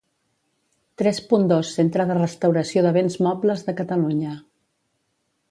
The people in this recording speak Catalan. Tres punt dos Centre de Restauració de Béns Mobles de Catalunya.